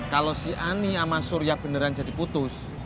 kalau si ani sama surya beneran jadi putus